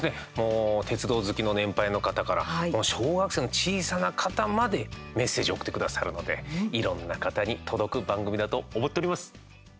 鉄道好きの年配の方から小学生の小さな方までメッセージを送ってくださるのでいろんな方に届く番組だと思っております。